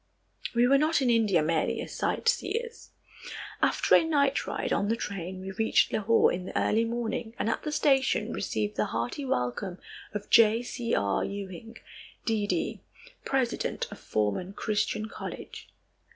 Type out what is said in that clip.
We were not in India merely as sightseers. After a night ride on the train we reached Lahore in the early morning and at the station received the hearty welcome of J. C. R. Ewing, D.D., president of Forman Christian College.